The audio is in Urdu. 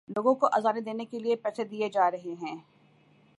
لوگوں کو اذانیں دینے کے لیے پیسے دیے جا رہے ہیں۔